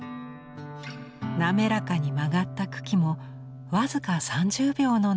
なめらかに曲がった茎も僅か３０秒のなせるワザ。